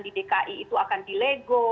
di dki itu akan dilego